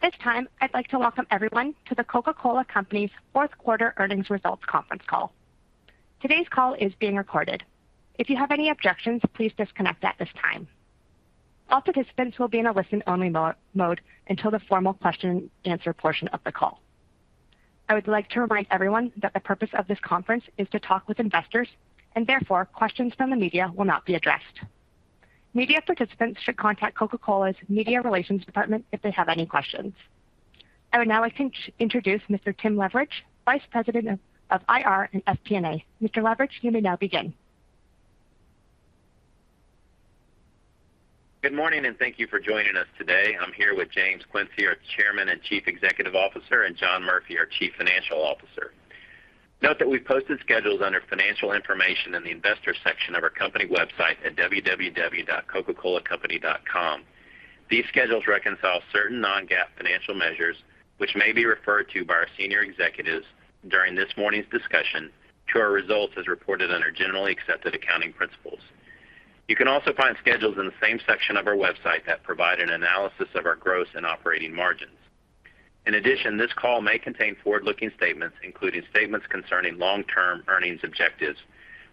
At this time, I'd like to welcome everyone to The Coca-Cola Company's fourth quarter earnings results conference call. Today's call is being recorded. If you have any objections, please disconnect at this time. All participants will be in a listen-only mode until the formal question-and-answer portion of the call. I would like to remind everyone that the purpose of this conference is to talk with investors and therefore, questions from the media will not be addressed. Media participants should contact Coca-Cola's media relations department if they have any questions. I would now like to introduce Mr. Tim Leveridge, Vice President of IR and FP&A. Mr. Leveridge, you may now begin. Good morning, and thank you for joining us today. I'm here with James Quincey, our Chairman and Chief Executive Officer, and John Murphy, our Chief Financial Officer. Note that we've posted schedules under Financial Information in the Investors section of our company website at www.coca-colacompany.com. These schedules reconcile certain non-GAAP financial measures which may be referred to by our senior executives during this morning's discussion to our results as reported under generally accepted accounting principles. You can also find schedules in the same section of our website that provide an analysis of our gross and operating margins. In addition, this call may contain forward-looking statements, including statements concerning long-term earnings objectives,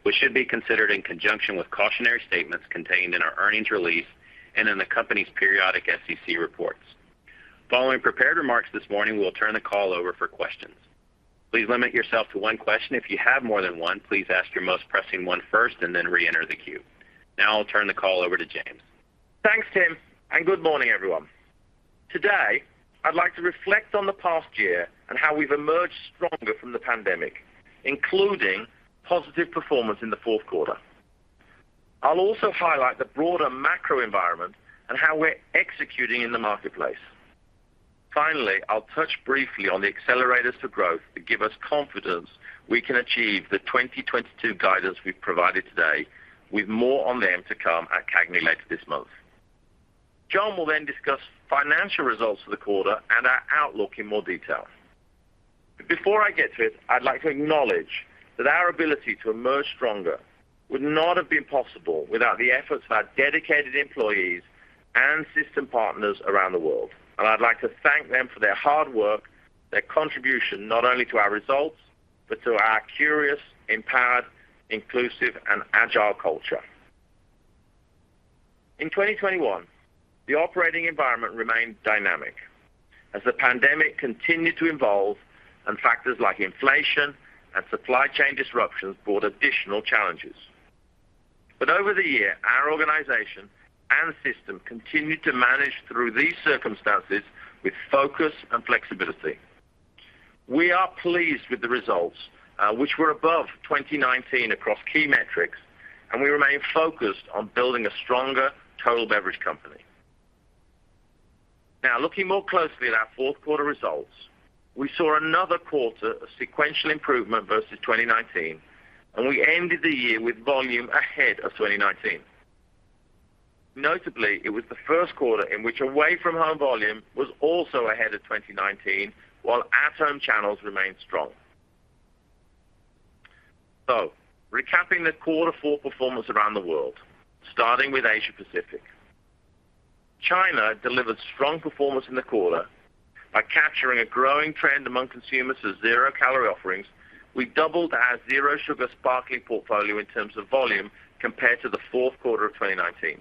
which should be considered in conjunction with cautionary statements contained in our earnings release and in the company's periodic SEC reports. Following prepared remarks this morning, we'll turn the call over for questions. Please limit yourself to one question. If you have more than one please ask the most pressing one first and then re-enter the queue. Now I'll turn the call over to James. Thanks, Tim, and good morning, everyone. Today, I'd like to reflect on the past year and how we've emerged stronger from the pandemic, including positive performance in the fourth quarter. I'll also highlight the broader macro environment and how we're executing in the marketplace. Finally, I'll touch briefly on the accelerators to growth that give us confidence we can achieve the 2022 guidance we've provided today with more on them to come at CAGNY later this month. John will then discuss financial results for the quarter and our outlook in more detail. Before I get to it, I'd like to acknowledge that our ability to emerge stronger would not have been possible without the efforts of our dedicated employees and system partners around the world. I'd like to thank them for their hard work, their contribution, not only to our results, but to our curious, empowered, inclusive, and agile culture. In 2021, the operating environment remained dynamic as the pandemic continued to evolve and factors like inflation and supply chain disruptions brought additional challenges. Over the year, our organization and system continued to manage through these circumstances with focus and flexibility. We are pleased with the results, which were above 2019 across key metrics, and we remain focused on building a stronger total beverage company. Now, looking more closely at our fourth quarter results, we saw another quarter of sequential improvement versus 2019, and we ended the year with volume ahead of 2019. Notably, it was the first quarter in which away-from-home volume was also ahead of 2019, while at-home channels remained strong. Recapping the quarterly performance around the world, starting with Asia Pacific. China delivered strong performance in the quarter by capturing a growing trend among consumers to zero-calorie offerings. We doubled our zero sugar sparkling portfolio in terms of volume compared to the fourth quarter of 2019.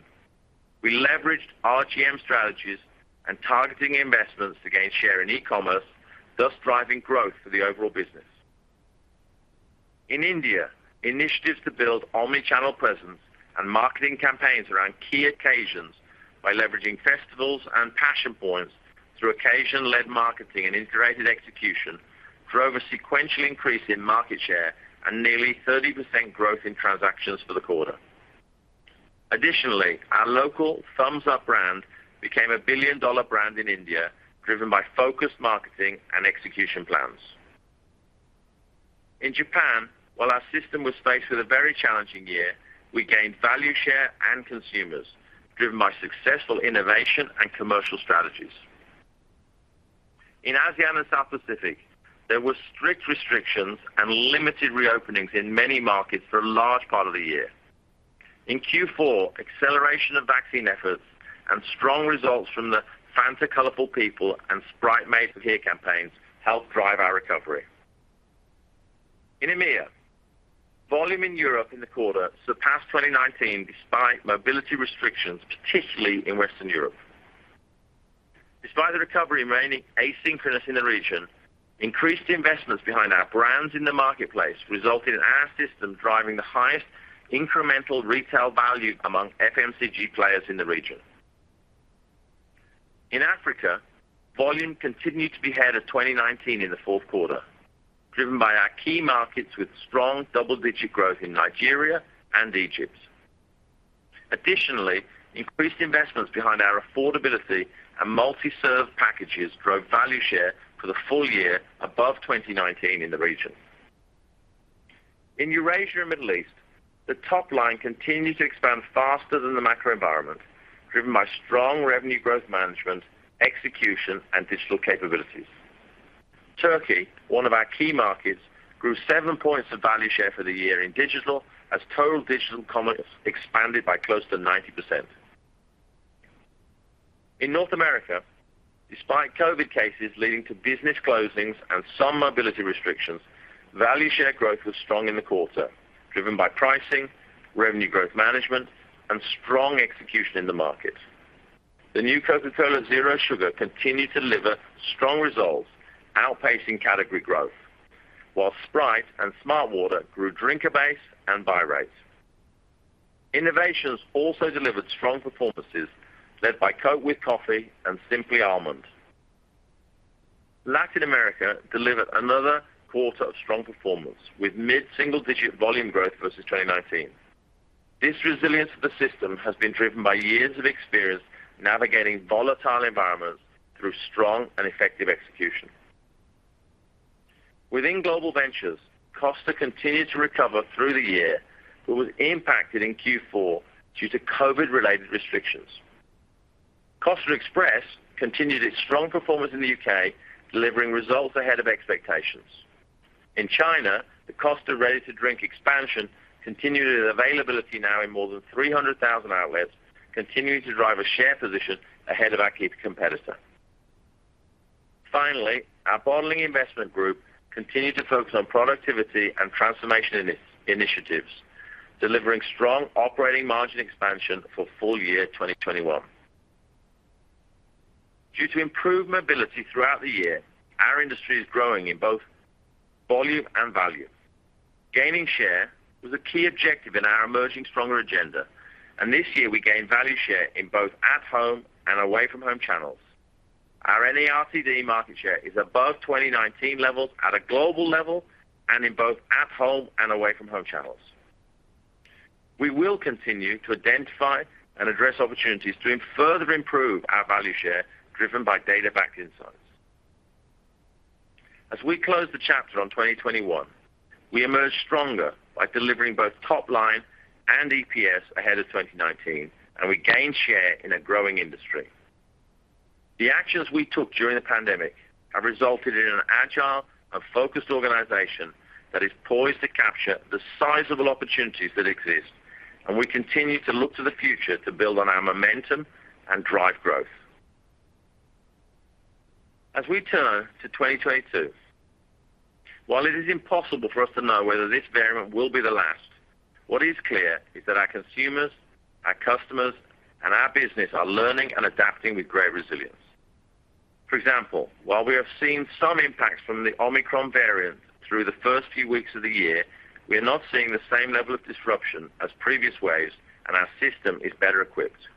We leveraged RGM strategies and targeting investments to gain share in e-commerce, thus driving growth for the overall business. In India, initiatives to build omni-channel presence and marketing campaigns around key occasions by leveraging festivals and passion points through occasion-led marketing and integrated execution drove a sequential increase in market share and nearly 30% growth in transactions for the quarter. Additionally, our local Thums Up brand became a billion-dollar brand in India, driven by focused marketing and execution plans. In Japan, while our system was faced with a very challenging year, we gained value share and consumers driven by successful innovation and commercial strategies. In ASEAN and South Pacific, there were strict restrictions and limited reopenings in many markets for a large part of the year. In Q4, acceleration of vaccine efforts and strong results from the Fanta 'Colorful People' and Sprite Made For Here campaigns helped drive our recovery. In EMEA, volume in Europe in the quarter surpassed 2019 despite mobility restrictions, particularly in Western Europe. Despite the recovery remaining asynchronous in the region, increased investments behind our brands in the marketplace resulted in our system driving the highest incremental retail value among FMCG players in the region. In Africa, volume continued to be ahead of 2019 in the fourth quarter, driven by our key markets with strong double-digit growth in Nigeria and Egypt. Increased investments behind our affordability and multi-serve packages drove value share for the full year above 2019 in the region. In Eurasia and Middle East, the top line continued to expand faster than the macro environment, driven by strong revenue growth management, execution, and digital capabilities. Turkey, one of our key markets, grew seven points of value share for the year in digital as total digital commerce expanded by close to 90%. In North America, despite COVID cases leading to business closings and some mobility restrictions, value share growth was strong in the quarter, driven by pricing, revenue growth management, and strong execution in the market. The new Coca-Cola Zero Sugar continued to deliver strong results, outpacing category growth, while Sprite and smartwater grew drinker base and buy rates. Innovations also delivered strong performances led by Coca-Cola with Coffee and Simply Almond. Latin America delivered another quarter of strong performance with mid-single-digit volume growth versus 2019. This resilience of the system has been driven by years of experience navigating volatile environments through strong and effective execution. Within global ventures, Costa continued to recover through the year, but was impacted in Q4 due to COVID-related restrictions. Costa Express continued its strong performance in the U.K., delivering results ahead of expectations. In China, the Costa Ready-to-Drink expansion continued its availability now in more than 300,000 outlets, continuing to drive a share position ahead of our key competitor. Finally, our bottling investment group continued to focus on productivity and transformation in its initiatives, delivering strong operating margin expansion for full year 2021. Due to improved mobility throughout the year, our industry is growing in both volume and value. Gaining share was a key objective in our Emerging Stronger agenda, and this year we gained value share in both at-home and away-from-home channels. Our NARTD market share is above 2019 levels at a global level and in both at-home and away-from-home channels. We will continue to identify and address opportunities to further improve our value share driven by data-backed insights. As we close the chapter on 2021, we emerge stronger by delivering both top line and EPS ahead of 2019, and we gain share in a growing industry. The actions we took during the pandemic have resulted in an agile and focused organization that is poised to capture the sizable opportunities that exist, and we continue to look to the future to build on our momentum and drive growth. As we turn to 2022, while it is impossible for us to know whether this variant will be the last, what is clear is that our consumers, our customers, and our business are learning and adapting with great resilience. For example, while we have seen some impacts from the Omicron variant through the first few weeks of the year, we are not seeing the same level of disruption as previous waves, and our system is better equipped.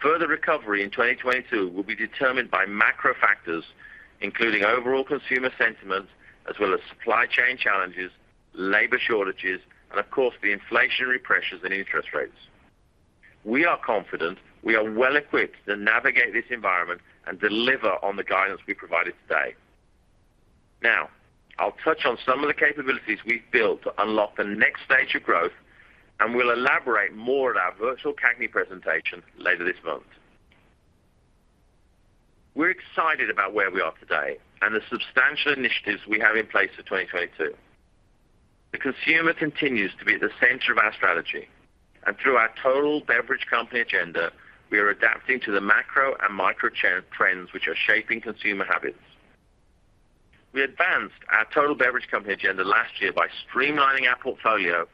Further recovery in 2022 will be determined by macro factors, including overall consumer sentiment as well as supply chain challenges, labor shortages, and of course the inflationary pressures and interest rates. We are confident we are well equipped to navigate this environment and deliver on the guidance we provided today. Now, I'll touch on some of the capabilities we've built to unlock the next stage of growth, and we'll elaborate more at our virtual CAGNY presentation later this month. We're excited about where we are today and the substantial initiatives we have in place for 2022. The consumer continues to be at the center of our strategy and through our total beverage company agenda, we are adapting to the macro and micro trends which are shaping consumer habits. We advanced our total beverage company agenda last year by streamlining our portfolio,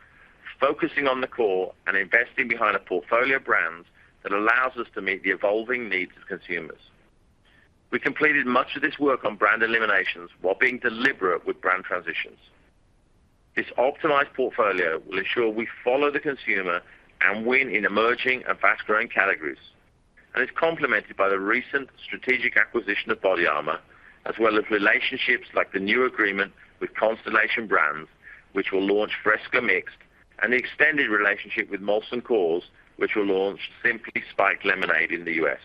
focusing on the core, and investing behind a portfolio of brands that allows us to meet the evolving needs of consumers. We completed much of this work on brand eliminations while being deliberate with brand transitions. This optimized portfolio will ensure we follow the consumer and win in emerging and fast-growing categories. It's complemented by the recent strategic acquisition of BODYARMOR, as well as relationships like the new agreement with Constellation Brands, which will launch Fresca Mixed and the extended relationship with Molson Coors, which will launch Simply Spiked Lemonade in the U.S.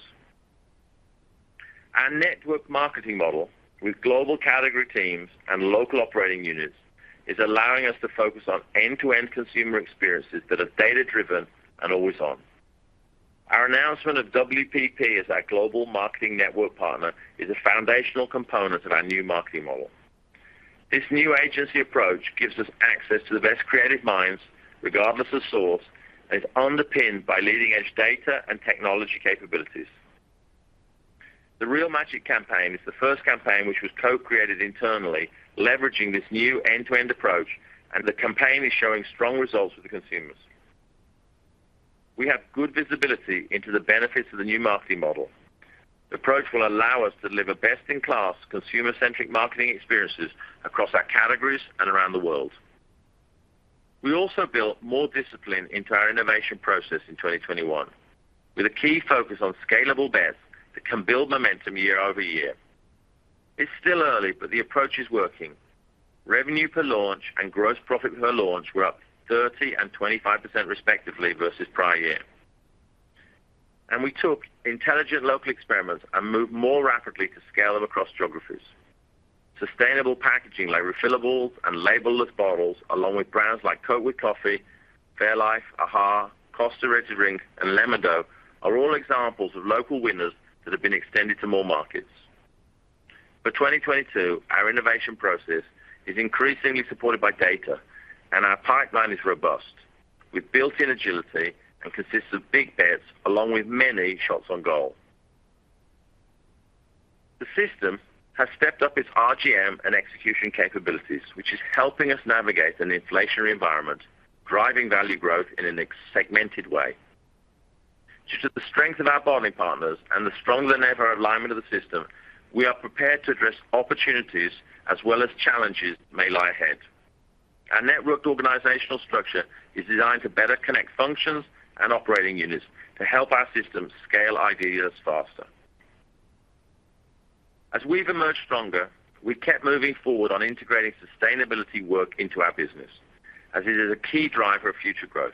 Our network marketing model with global category teams and local operating units is allowing us to focus on end-to-end consumer experiences that are data-driven and always on. Our announcement of WPP as our global marketing network partner is a foundational component of our new marketing model. This new agency approach gives us access to the best creative minds, regardless of source, and is underpinned by leading-edge data and technology capabilities. The Real Magic campaign is the first campaign which was co-created internally, leveraging this new end-to-end approach, and the campaign is showing strong results with the consumers. We have good visibility into the benefits of the new marketing model. The approach will allow us to deliver best-in-class consumer-centric marketing experiences across our categories and around the world. We also built more discipline into our innovation process in 2021, with a key focus on scalable bets that can build momentum year over year. It's still early, but the approach is working. Revenue per launch and gross profit per launch were up 30% and 25% respectively versus prior year. We took intelligent local experiments and moved more rapidly to scale them across geographies. Sustainable packaging like refillables and label-less bottles along with brands like Coke with Coffee, fairlife, AHA, Costa Ready-to-Drink, and Lemon-Dou are all examples of local winners that have been extended to more markets. For 2022, our innovation process is increasingly supported by data, and our pipeline is robust. We've built-in agility and consistency of big bets along with many shots on goal. The system has stepped up its RGM and execution capabilities, which is helping us navigate an inflationary environment, driving value growth in a segmented way. Due to the strength of our bottling partners and the stronger than ever alignment of the system, we are prepared to address opportunities as well as challenges that may lie ahead. Our networked organizational structure is designed to better connect functions and operating units to help our system scale ideas faster. As we've emerged stronger, we kept moving forward on integrating sustainability work into our business as it is a key driver of future growth.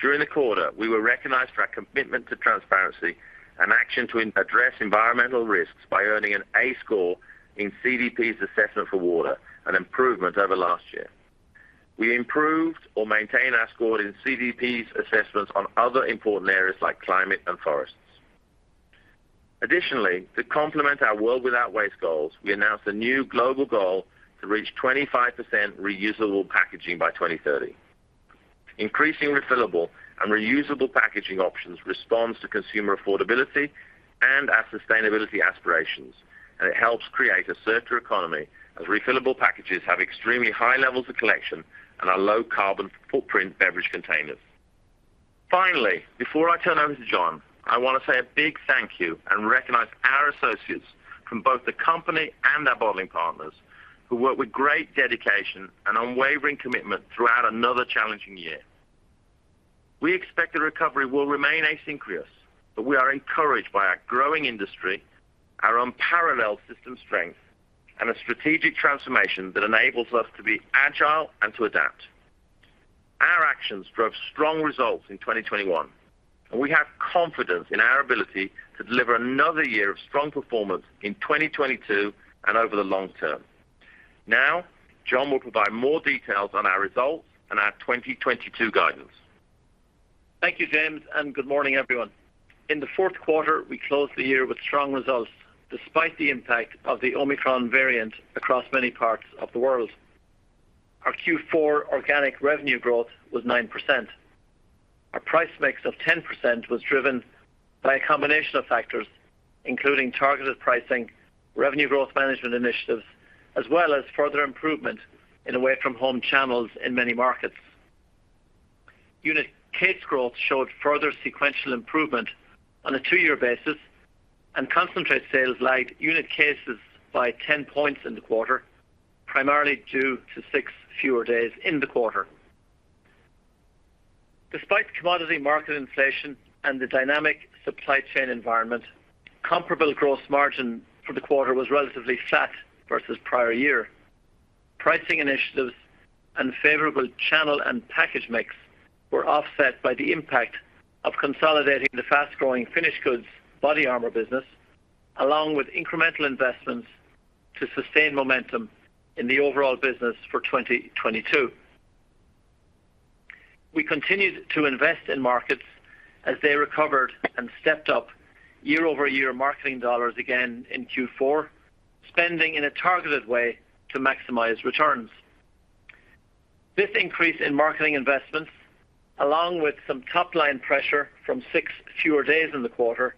During the quarter, we were recognized for our commitment to transparency and action to address environmental risks by earning an A score in CDP's assessment for water, an improvement over last year. We improved or maintained our score in CDP's assessments on other important areas like climate and forests. Additionally, to complement our World Without Waste goals, we announced a new global goal to reach 25% reusable packaging by 2030. Increasing refillable and reusable packaging options responds to consumer affordability and our sustainability aspirations, and it helps create a circular economy as refillable packages have extremely high levels of collection and are low carbon footprint beverage containers. Finally, before I turn over to John, I want to say a big thank you and recognize our associates from both the company and our bottling partners who work with great dedication and unwavering commitment throughout another challenging year. We expect the recovery will remain asynchronous, but we are encouraged by our growing industry, our unparalleled system strength, and a strategic transformation that enables us to be agile and to adapt. Our actions drove strong results in 2021, and we have confidence in our ability to deliver another year of strong performance in 2022 and over the long term. Now, John will provide more details on our results and our 2022 guidance. Thank you, James, and good morning, everyone. In the fourth quarter, we closed the year with strong results despite the impact of the Omicron variant across many parts of the world. Our Q4 organic revenue growth was 9%. Our price mix of 10% was driven by a combination of factors, including targeted pricing, revenue growth management initiatives, as well as further improvement in away-from-home channels in many markets. Unit case growth showed further sequential improvement on a two-year basis, and concentrate sales lagged unit cases by 10 points in the quarter, primarily due to 6 fewer days in the quarter. Despite commodity market inflation and the dynamic supply chain environment, comparable gross margin for the quarter was relatively flat versus prior year. Pricing initiatives and favorable channel and package mix were offset by the impact of consolidating the fast-growing finished goods BODYARMOR business, along with incremental investments to sustain momentum in the overall business for 2022. We continued to invest in markets as they recovered and stepped up year-over-year marketing dollars again in Q4, spending in a targeted way to maximize returns. This increase in marketing investments, along with some top-line pressure from 6 fewer days in the quarter,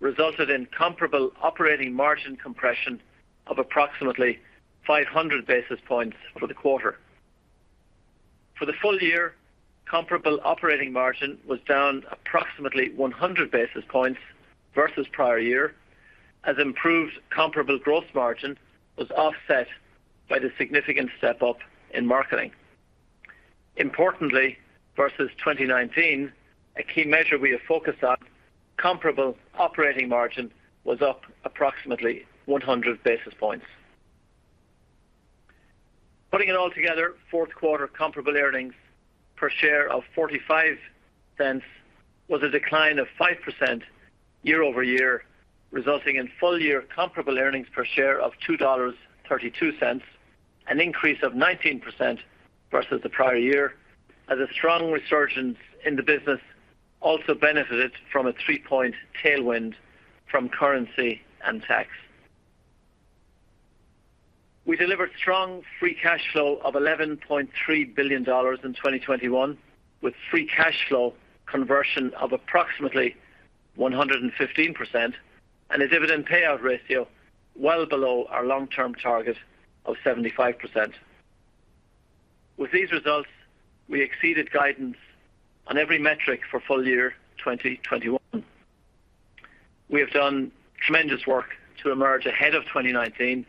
resulted in comparable operating margin compression of approximately 500 basis points for the quarter. For the full year, comparable operating margin was down approximately 100 basis points versus prior year as improved comparable gross margin was offset by the significant step-up in marketing. Importantly, versus 2019, a key measure we have focused on, comparable operating margin was up approximately 100 basis points. Putting it all together, Q4 comparable earnings per share of $0.45 was a decline of 5% year-over-year, resulting in full-year comparable earnings per share of $2.32, an increase of 19% versus the prior year, as a strong resurgence in the business also benefited from a three-point tailwind from currency and tax. We delivered strong free cash flow of $11.3 billion in 2021, with free cash flow conversion of approximately 115% and a dividend payout ratio well below our long-term target of 75%. With these results, we exceeded guidance on every metric for full-year 2021. We have done tremendous work to emerge ahead of 2019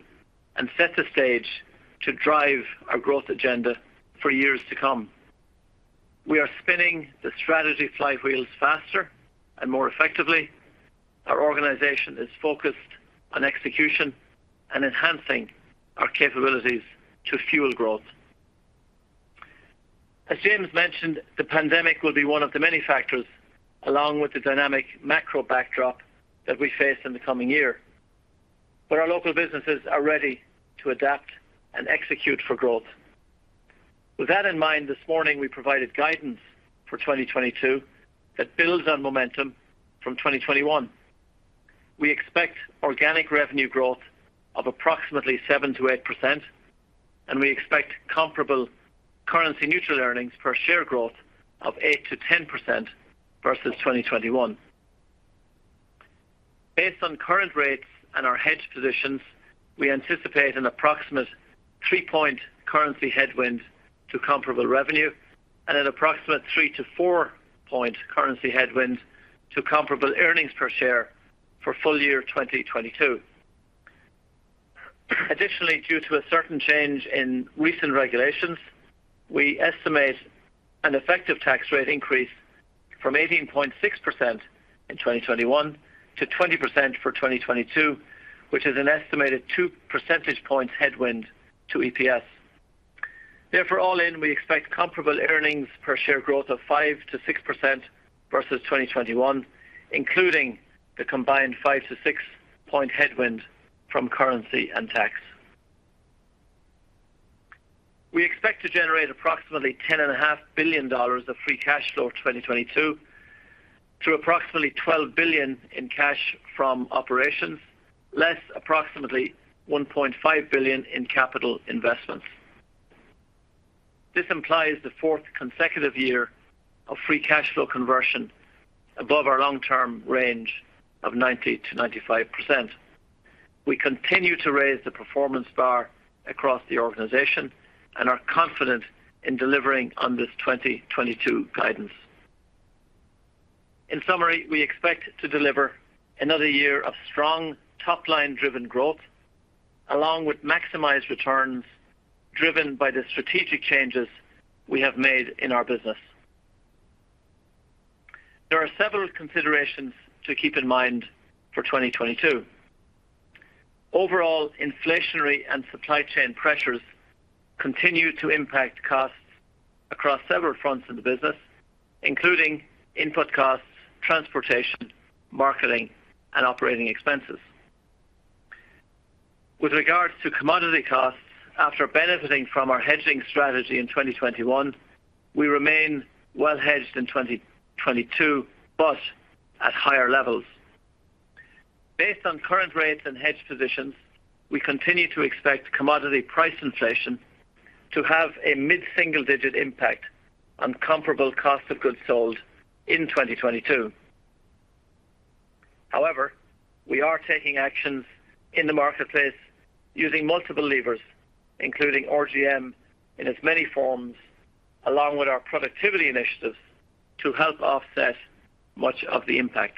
and set the stage to drive our growth agenda for years to come. We are spinning the strategy flywheels faster and more effectively. Our organization is focused on execution and enhancing our capabilities to fuel growth. As James mentioned, the pandemic will be one of the many factors, along with the dynamic macro backdrop that we face in the coming year. Our local businesses are ready to adapt and execute for growth. With that in mind, this morning we provided guidance for 2022 that builds on momentum from 2021. We expect organic revenue growth of approximately 7%-8%, and we expect comparable currency neutral earnings per share growth of 8%-10% versus 2021. Based on current rates and our hedge positions, we anticipate an approximate three-point currency headwind to comparable revenue and an approximate three- to four-point currency headwind to comparable earnings per share for full year 2022. Due to a certain change in recent regulations, we estimate an effective tax rate increase from 18.6% in 2021 to 20% for 2022, which is an estimated two percentage points headwind to EPS. Therefore, all in, we expect comparable earnings per share growth of 5%-6% versus 2021, including the combined five- to six-point headwind from currency and tax. We expect to generate approximately $10.5 billion of free cash flow in 2022 through approximately $12 billion in cash from operations, less approximately $1.5 billion in capital investments. This implies the fourth consecutive year of free cash flow conversion above our long-term range of 90%-95%. We continue to raise the performance bar across the organization and are confident in delivering on this 2022 guidance. In summary, we expect to deliver another year of strong top-line driven growth, along with maximized returns driven by the strategic changes we have made in our business. There are several considerations to keep in mind for 2022. Overall inflationary and supply chain pressures continue to impact costs across several fronts of the business, including input costs, transportation, marketing, and operating expenses. With regards to commodity costs, after benefiting from our hedging strategy in 2021, we remain well hedged in 2022, but at higher levels. Based on current rates and hedge positions, we continue to expect commodity price inflation to have a mid-single digit impact on comparable cost of goods sold in 2022. However, we are taking actions in the marketplace using multiple levers, including RGM in its many forms, along with our productivity initiatives to help offset much of the impact.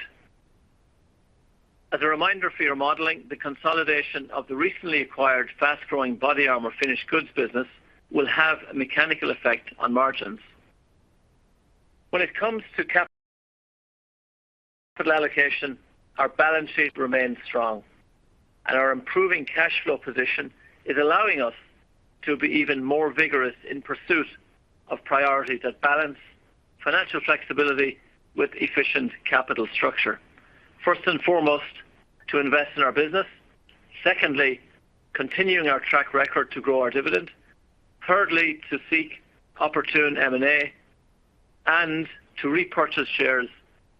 As a reminder for your modeling, the consolidation of the recently acquired fast-growing BODYARMOR finished goods business will have a mechanical effect on margins. When it comes to capital allocation, our balance sheet remains strong, and our improving cash flow position is allowing us to be even more vigorous in pursuit of priorities that balance financial flexibility with efficient capital structure. First and foremost, to invest in our business. Secondly, continuing our track record to grow our dividend. Thirdly, to seek opportune M&A and to repurchase shares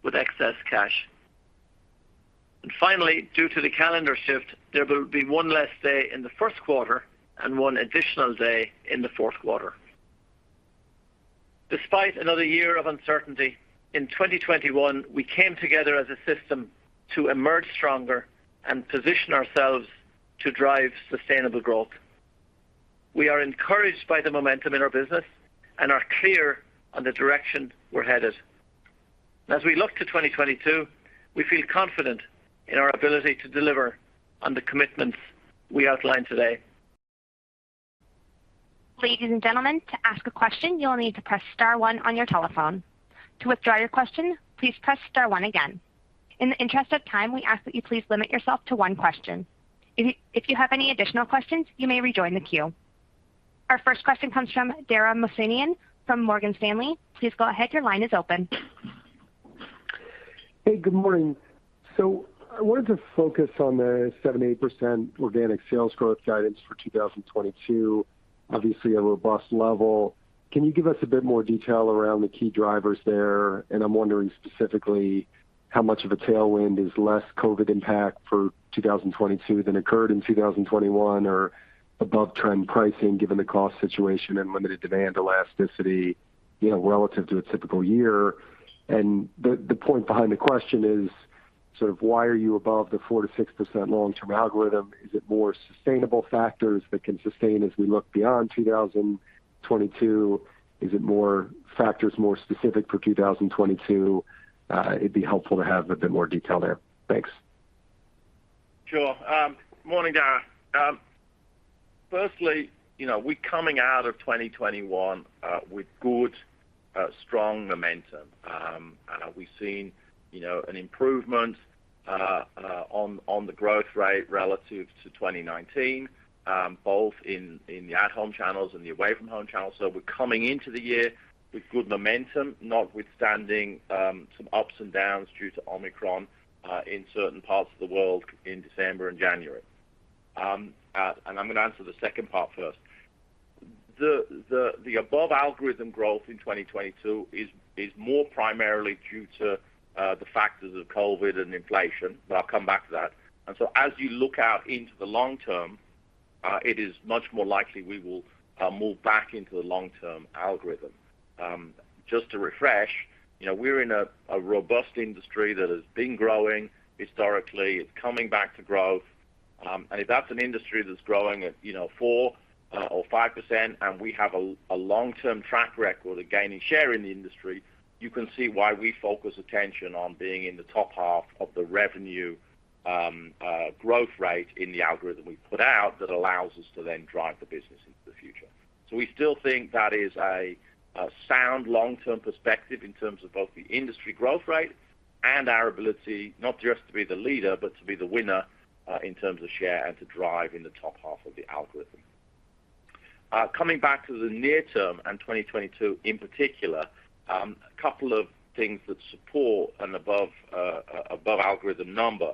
with excess cash. Finally, due to the calendar shift, there will be one less day in the first quarter and one additional day in the fourth quarter. Despite another year of uncertainty, in 2021, we came together as a system to emerge stronger and position ourselves to drive sustainable growth. We are encouraged by the momentum in our business and are clear on the direction we're headed. As we look to 2022, we feel confident in our ability to deliver on the commitments we outlined today. Ladies and gentlemen, to ask a question, you'll need to press star one on your telephone. To withdraw your question, please press Star one again. In the interest of time, we ask that you please limit yourself to one question. If you have any additional questions, you may rejoin the queue. Our first question comes from Dara Mohsenian from Morgan Stanley. Please go ahead. Your line is open. Hey, good morning. I wanted to focus on the 78% organic sales growth guidance for 2022, obviously a robust level. Can you give us a bit more detail around the key drivers there? I'm wondering specifically how much of a tailwind is less COVID impact for 2022 than occurred in 2021 or above trend pricing given the cost situation and limited demand elasticity, you know, relative to a typical year. The point behind the question is sort of why are you above the 4%-6% long-term algorithm? Is it more sustainable factors that can sustain as we look beyond 2022? Is it more factors specific for 2022? It'd be helpful to have a bit more detail there. Thanks. Sure. Morning, Dara. Firstly, you know, we're coming out of 2021 with good strong momentum. We've seen, you know, an improvement on the growth rate relative to 2019 both in the at-home channels and the away-from-home channels. We're coming into the year with good momentum, notwithstanding some ups and downs due to Omicron in certain parts of the world in December and January. I'm gonna answer the second part first. The above algorithm growth in 2022 is more primarily due to the factors of COVID and inflation, but I'll come back to that. As you look out into the long term, it is much more likely we will move back into the long-term algorithm. Just to refresh, you know, we're in a robust industry that has been growing historically. It's coming back to growth. If that's an industry that's growing at, you know, 4% or 5%, and we have a long-term track record of gaining share in the industry, you can see why we focus attention on being in the top half of the revenue growth rate in the algorithm we put out that allows us to then drive the business into the future. We still think that is a sound long-term perspective in terms of both the industry growth rate and our ability, not just to be the leader, but to be the winner, in terms of share and to drive in the top half of the algorithm. Coming back to the near term and 2022 in particular, a couple of things that support an above algorithm number.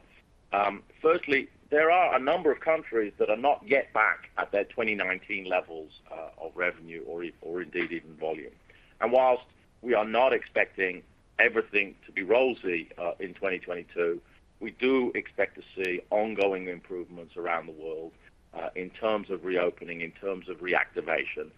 Firstly, there are a number of countries that are not yet back at their 2019 levels of revenue or indeed even volume. While we are not expecting everything to be rosy in 2022, we do expect to see ongoing improvements around the world in terms of reopening, in terms of reactivation.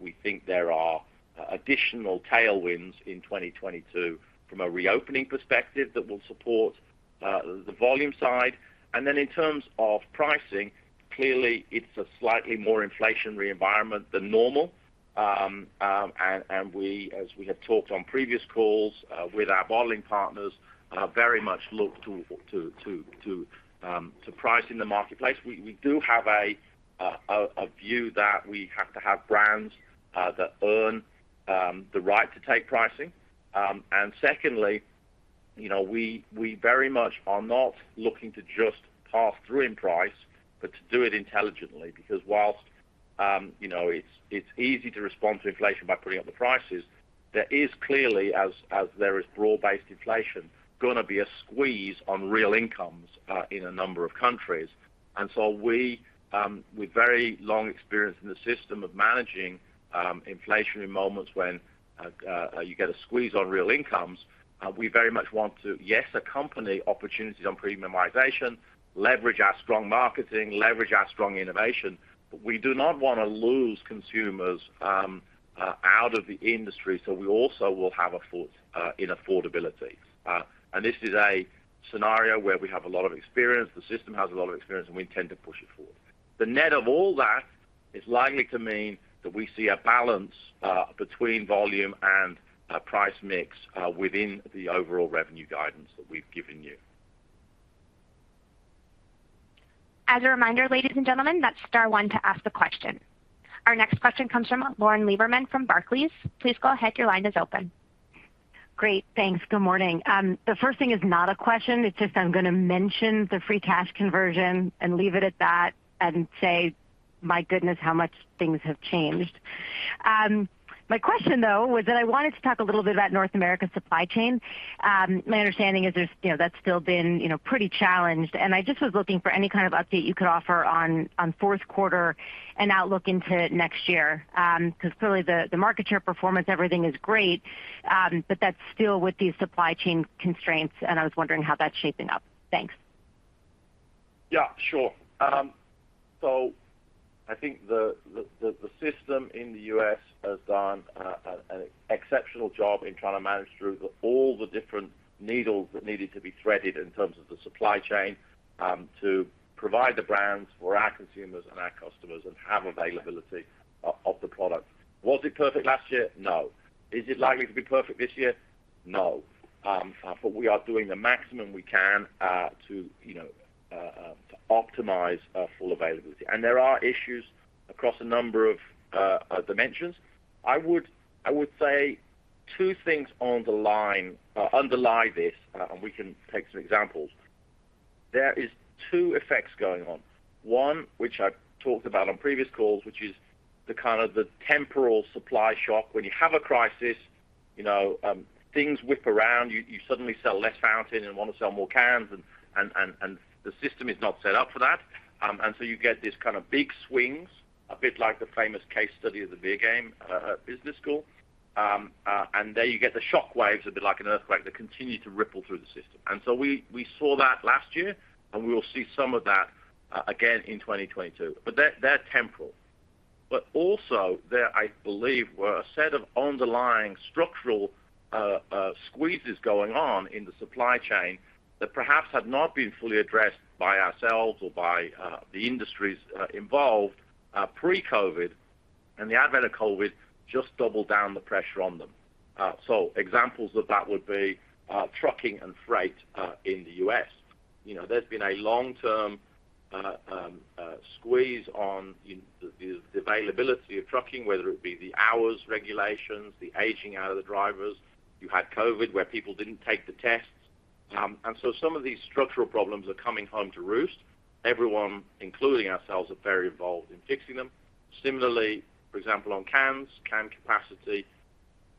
We think there are additional tailwinds in 2022 from a reopening perspective that will support the volume side. In terms of pricing, clearly, it's a slightly more inflationary environment than normal. We as we have talked on previous calls with our bottling partners very much look to price in the marketplace. We do have a view that we have to have brands that earn the right to take pricing. Secondly, you know, we very much are not looking to just pass through in price, but to do it intelligently. Because while, you know, it's easy to respond to inflation by putting up the prices, there is clearly, as there is broad-based inflation, gonna be a squeeze on real incomes, in a number of countries. We, with very long experience in the system of managing, inflationary moments when you get a squeeze on real incomes, very much want to, yes, accompany opportunities on premiumization, leverage our strong marketing, leverage our strong innovation, but we do not wanna lose consumers, out of the industry, so we also will have a foot, in affordability. This is a scenario where we have a lot of experience, the system has a lot of experience, and we intend to push it forward. The net of all that is likely to mean that we see a balance between volume and price mix within the overall revenue guidance that we've given you. As a reminder, ladies and gentlemen, that's Star one to ask the question. Our next question comes from Lauren Lieberman from Barclays. Please go ahead. Your line is open. Great. Thanks. Good morning. The first thing is not a question. It's just I'm gonna mention the free cash conversion and leave it at that and say, my goodness, how much things have changed. My question, though, was that I wanted to talk a little bit about North America supply chain. My understanding is there's, you know, that's still been, you know, pretty challenged. I just was looking for any kind of update you could offer on fourth quarter and outlook into next year. 'Cause clearly the market share performance, everything is great, but that's still with these supply chain constraints, and I was wondering how that's shaping up. Thanks. Yeah, sure. So I think the system in the U.S. has done an exceptional job in trying to manage through all the different needles that needed to be threaded in terms of the supply chain, to provide the brands for our consumers and our customers and have availability of the product. Was it perfect last year? No. Is it likely to be perfect this year? No. We are doing the maximum we can to, you know, to optimize full availability. There are issues across a number of dimensions. I would say two things that underlie this, and we can take some examples. There are two effects going on. One, which I've talked about on previous calls, which is the kind of temporal supply shock. When you have a crisis, you know, things whip around. You suddenly sell less fountain and wanna sell more cans and the system is not set up for that. You get these kind of big swings, a bit like the famous case study of the beer game at business school. There you get the shock waves a bit like an earthquake that continue to ripple through the system. We saw that last year, and we will see some of that again in 2022. But they're temporal. Also, there I believe were a set of underlying structural squeezes going on in the supply chain that perhaps had not been fully addressed by ourselves or by the industries involved pre-COVID, and the advent of COVID just doubled down the pressure on them. Examples of that would be trucking and freight in the U.S. You know, there's been a long-term squeeze on the availability of trucking, whether it be the hours regulations, the aging out of the drivers. You had COVID, where people didn't take the tests. Some of these structural problems are coming home to roost. Everyone, including ourselves, are very involved in fixing them. Similarly, for example, on cans, can capacity.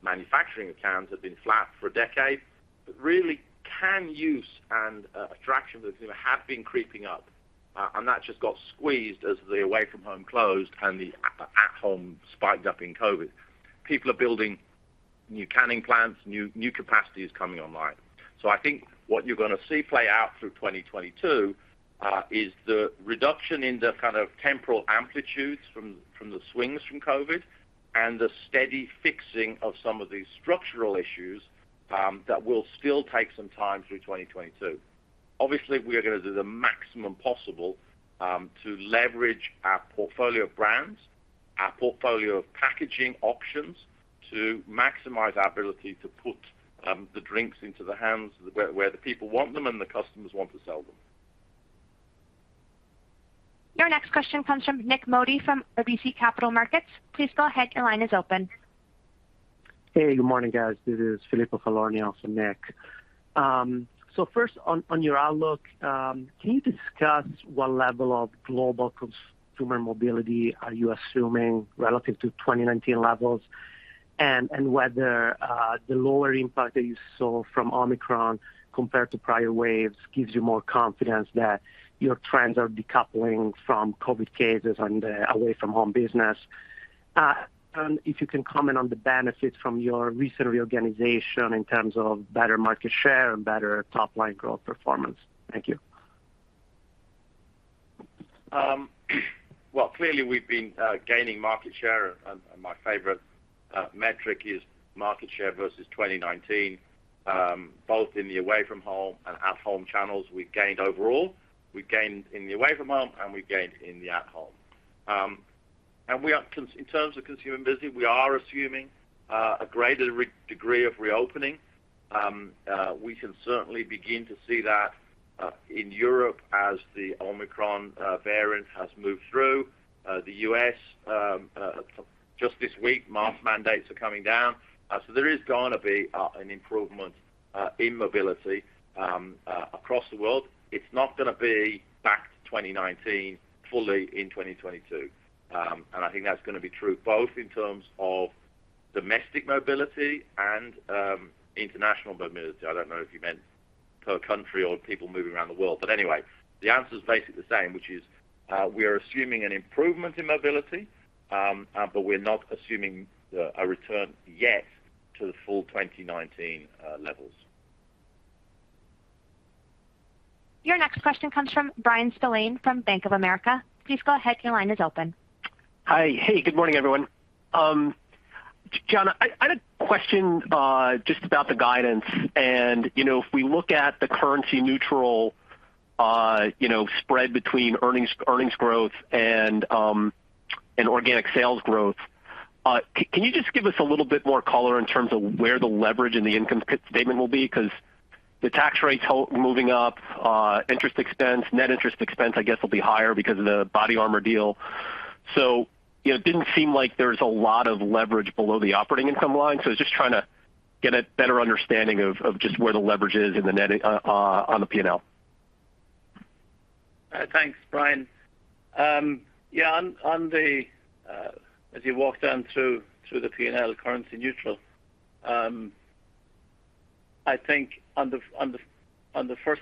Manufacturing accounts have been flat for a decade, but really can use and attraction to consumer have been creeping up. And that just got squeezed as the away from home closed and the at home spiked up in COVID. People are building new canning plants, new capacity is coming online. I think what you're gonna see play out through 2022 is the reduction in the kind of temporal amplitudes from the swings from COVID and the steady fixing of some of these structural issues that will still take some time through 2022. Obviously, we are gonna do the maximum possible to leverage our portfolio of brands, our portfolio of packaging options to maximize our ability to put the drinks into the hands where the people want them and the customers want to sell them. Your next question comes from Nik Modi from RBC Capital Markets. Please go ahead, your line is open. Hey, good morning, guys. This is Filippo Falorni, also Nik. First on your outlook, can you discuss what level of global consumer mobility are you assuming relative to 2019 levels? Whether the lower impact that you saw from Omicron compared to prior waves gives you more confidence that your trends are decoupling from COVID cases and away-from-home business. If you can comment on the benefits from your recent reorganization in terms of better market share and better top-line growth performance. Thank you. Well, clearly we've been gaining market share and my favorite metric is market share versus 2019, both in the away from home and at home channels. We've gained overall, we've gained in the away from home, and we've gained in the at home. In terms of consumer buys, we are assuming a greater degree of reopening. We can certainly begin to see that in Europe as the Omicron variant has moved through the U.S., just this week, mask mandates are coming down. There is gonna be an improvement in mobility across the world. It's not gonna be back to 2019 fully in 2022. I think that's gonna be true both in terms of domestic mobility and international mobility. I don't know if you meant per country or people moving around the world. Anyway, the answer is basically the same, which is, we are assuming an improvement in mobility, but we're not assuming a return yet to the full 2019 levels. Your next question comes from Bryan Spillane from Bank of America. Please go ahead, your line is open. Hi. Hey, good morning, everyone. John, I had a question just about the guidance and, you know, if we look at the currency neutral, you know, spread between earnings growth and organic sales growth. Can you just give us a little bit more color in terms of where the leverage in the income statement will be? 'Cause the tax rates moving up, interest expense, net interest expense, I guess, will be higher because of the BODYARMOR deal. You know, it didn't seem like there's a lot of leverage below the operating income line. I was just trying to get a better understanding of just where the leverage is on the P&L. Thanks, Bryan. As you walk down through the P&L currency neutral, I think the first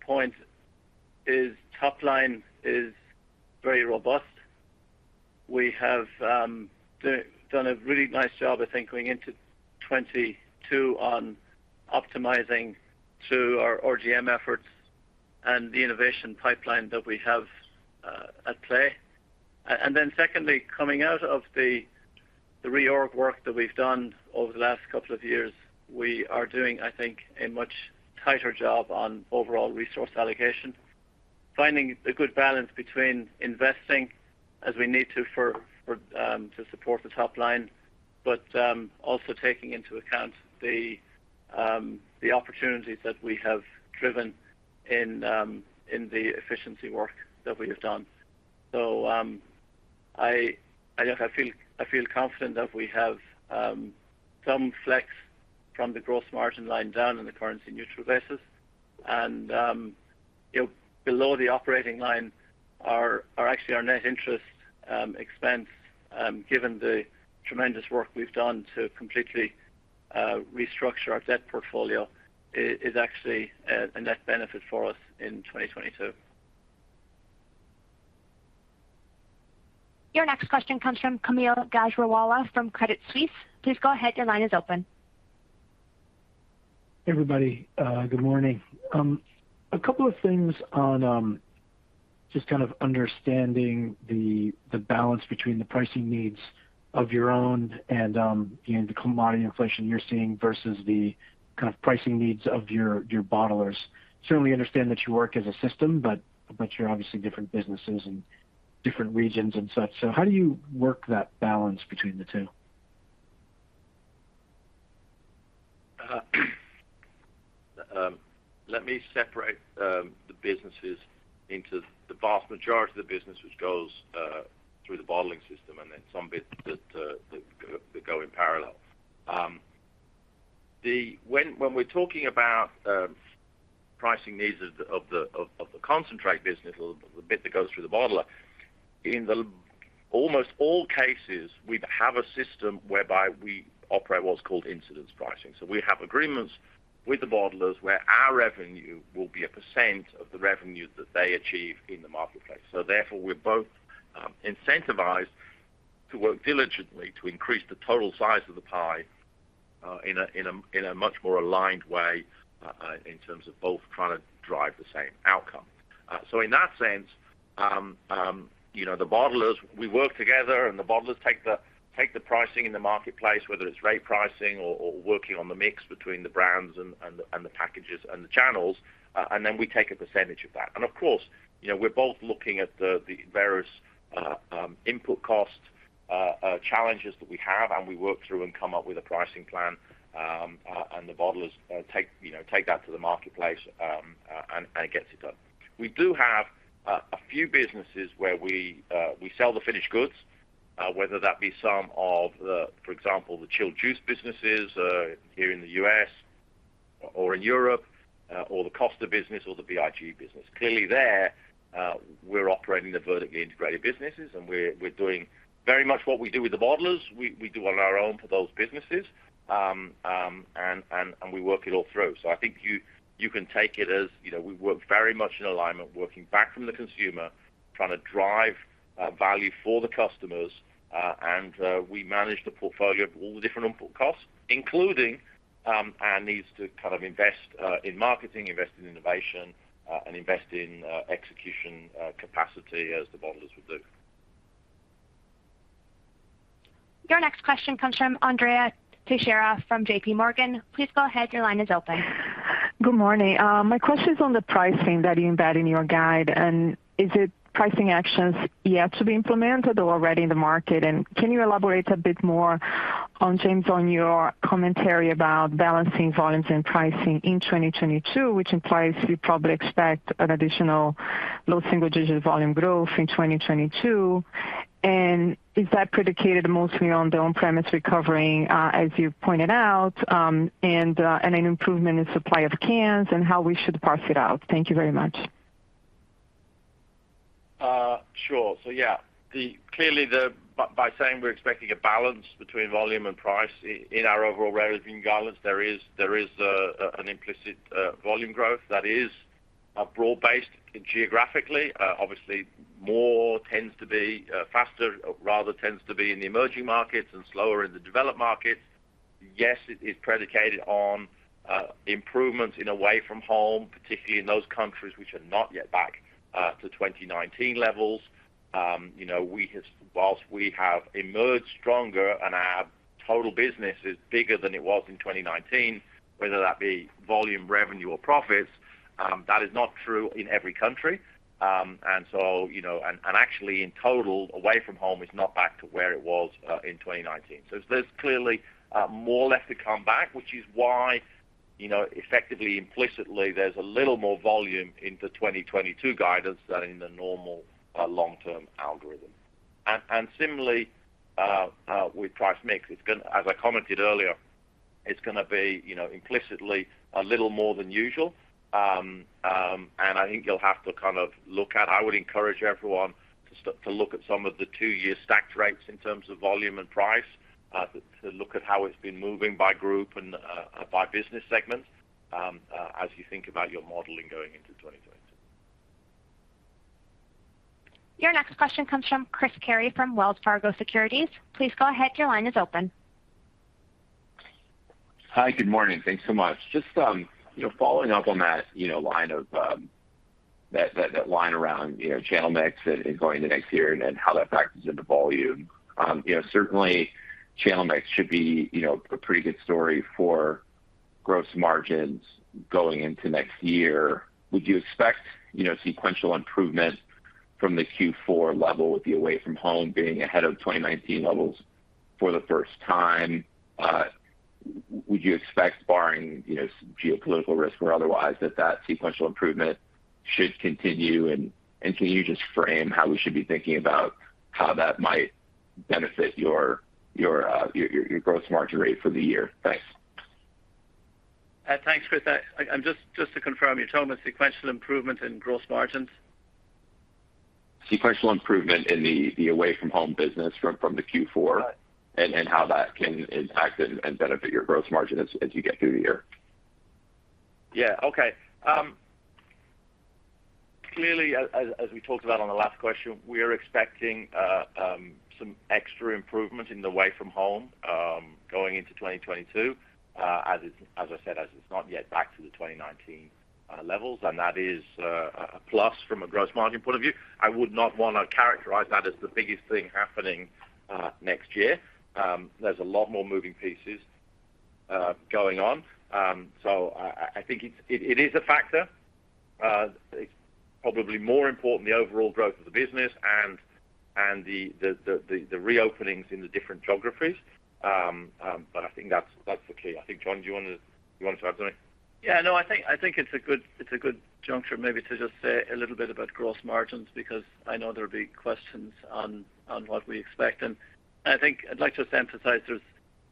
point is top line is very robust. We have done a really nice job, I think, going into 2022 on optimizing through our RGM efforts and the innovation pipeline that we have at play. Then secondly, coming out of the reorg work that we've done over the last couple of years, we are doing a much tighter job on overall resource allocation, finding a good balance between investing as we need to support the top line, but also taking into account the opportunities that we have driven in the efficiency work that we have done. I feel confident that we have some flex from the gross margin line down in the currency neutral basis. You know, below the operating line are actually our net interest expense, given the tremendous work we've done to completely restructure our debt portfolio is actually a net benefit for us in 2022. Your next question comes from Kaumil Gajrawala from Credit Suisse. Please go ahead, your line is open. Hey, everybody, good morning. A couple of things on just kind of understanding the balance between the pricing needs of your own and, you know, the commodity inflation you're seeing versus the kind of pricing needs of your bottlers. Certainly understand that you work as a system, but you're obviously different businesses in different regions and such. How do you work that balance between the two? Let me separate the businesses into the vast majority of the business which goes through the bottling system and then some bits that go in parallel. When we're talking about pricing needs of the concentrate business, or the bit that goes through the bottler, in almost all cases, we have a system whereby we operate what's called incidence pricing. We have agreements with the bottlers where our revenue will be a percent of the revenue that they achieve in the marketplace. Therefore, we're both incentivized to work diligently to increase the total size of the pie in a much more aligned way in terms of both trying to drive the same outcome. In that sense, you know, the bottlers, we work together, and the bottlers take the pricing in the marketplace, whether it's retail pricing or working on the mix between the brands and the packages and the channels, and then we take a percentage of that. Of course, you know, we're both looking at the various input costs challenges that we have, and we work through and come up with a pricing plan, and the bottlers take you know that to the marketplace, and it gets it done. We do have a few businesses where we sell the finished goods, whether that be some of the, for example, the chilled juice businesses, here in the U.S. or in Europe, or the Costa business or the B2B business. Clearly, we're operating the vertically integrated businesses, and we're doing very much what we do with the bottlers, we do on our own for those businesses. We work it all through. I think you can take it as, you know, we work very much in alignment, working back from the consumer, trying to drive value for the customers, and we manage the portfolio of all the different input costs, including our needs to kind of invest in marketing, invest in innovation, and invest in execution capacity as the bottlers would do. Your next question comes from Andrea Teixeira from JPMorgan. Please go ahead, your line is open. Good morning. My question is on the pricing that you embed in your guide, and is it pricing actions yet to be implemented or already in the market? Can you elaborate a bit more on, James, on your commentary about balancing volumes and pricing in 2022, which implies you probably expect an additional low single-digit volume growth in 2022. Is that predicated mostly on the on-premise recovering, as you pointed out, and an improvement in supply of cans and how we should parse it out? Thank you very much. Sure. Yeah, clearly, by saying we're expecting a balance between volume and price in our overall revenue guidance, there is an implicit volume growth that is broad-based geographically. Obviously, more tends to be faster, rather tends to be in the emerging markets and slower in the developed markets. Yes, it is predicated on improvements in away from home, particularly in those countries which are not yet back to 2019 levels. You know, we have whilst we have emerged stronger and our total business is bigger than it was in 2019, whether that be volume, revenue or profits, that is not true in every country. You know, actually, in total, away from home is not back to where it was in 2019. There's clearly more left to come back, which is why, you know, effectively, implicitly, there's a little more volume into 2022 guidance than in the normal long-term algorithm. Similarly, with price mix. As I commented earlier, it's gonna be, you know, implicitly a little more than usual. I think you'll have to kind of look at some of the two-year stacked rates in terms of volume and price, to look at how it's been moving by group and by business segments, as you think about your modeling going into 2022. Your next question comes from Chris Carey from Wells Fargo Securities. Please go ahead, your line is open. Hi, good morning. Thanks so much. Just, you know, following up on that line around, you know, channel mix and going into next year and how that factors into volume. You know, certainly channel mix should be, you know, a pretty good story for gross margins going into next year. Would you expect, you know, sequential improvement from the Q4 level with the away from home being ahead of 2019 levels for the first time? Would you expect barring, you know, some geopolitical risk or otherwise that sequential improvement should continue? And can you just frame how we should be thinking about how that might benefit your gross margin rate for the year? Thanks. Thanks, Chris. I'm just to confirm, you're telling me sequential improvement in gross margins? Sequential improvement in the away from home business from the Q4- Right. how that can impact and benefit your gross margin as you get through the year. Yeah. Okay. Clearly as we talked about on the last question, we're expecting some extra improvement in the away from home going into 2022, as I said, it's not yet back to the 2019 levels, and that is a plus from a gross margin point of view. I would not wanna characterize that as the biggest thing happening next year. There's a lot more moving pieces going on. I think it's a factor. It's probably more important the overall growth of the business and the reopenings in the different geographies. I think that's the key. I think, John, do you want to add to anything? Yeah, no, I think it's a good juncture maybe to just say a little bit about gross margins, because I know there'll be questions on what we expect. I think I'd like to emphasize there's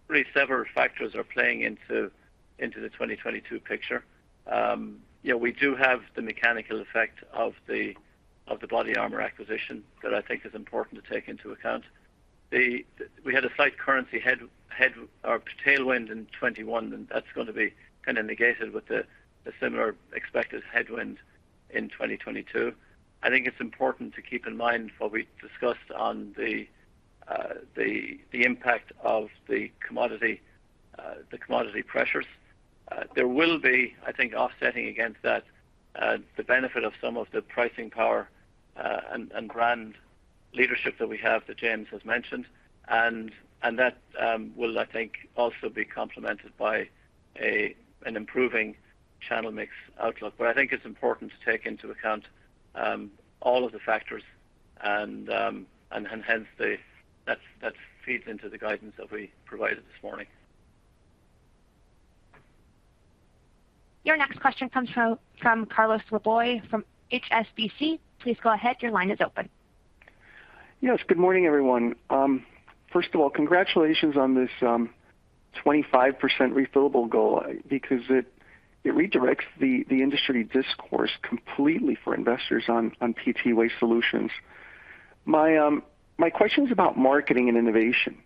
really several factors are playing into the 2022 picture. You know, we do have the mechanical effect of the BODYARMOR acquisition that I think is important to take into account. We had a slight currency head or tailwind in 2021, and that's gonna be kind of negated with the similar expected headwind in 2022. I think it's important to keep in mind what we discussed on the impact of the commodity pressures. There will be, I think, offsetting against that, the benefit of some of the pricing power, and brand leadership that we have that James has mentioned. That will, I think, also be complemented by an improving channel mix outlook. I think it's important to take into account all of the factors and hence, that feeds into the guidance that we provided this morning. Your next question comes from Carlos Laboy from HSBC. Please go ahead, your line is open. Yes. Good morning, everyone. First of all, congratulations on this 25% refillable goal because it redirects the industry discourse completely for investors on PET waste solutions. My question's about marketing and innovation.